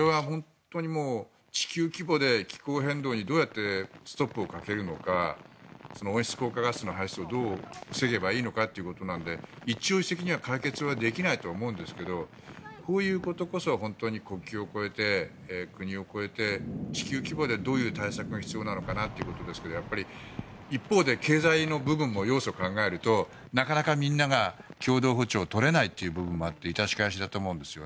地球規模で気候変動にどうやってストップをかけるのか温室効果ガスの排出をどう防げばいいのかということなので一朝一夕には解決はできないと思うんですがこういうことこそ本当に国境を超えて国を超えて、地球規模でどういう対策が必要なのかということですがやっぱり一方で経済の部分の要素も考えるとなかなかみんなが共同歩調を取れないということで痛しかゆしだと思うんです。